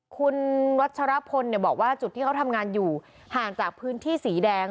คุณวัชรพลบอกว่าจุดที่เขาทำงานอยู่ห่างจากพื้นที่สีแดง